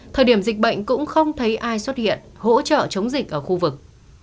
thời điểm dịch bệnh cũng không thấy ai xuất hiện hỗ trợ chống dịch ở khu vực